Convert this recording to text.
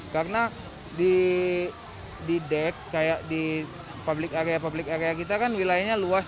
karena di deck kayak di public area public area kita kan wilayahnya luas